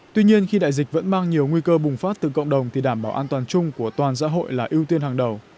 tuy nhiên khi đại dịch vẫn mang nhiều nguy cơ bùng phát từ cộng đồng thì đảm bảo an toàn chung của toàn xã hội là ưu tiên hàng đầu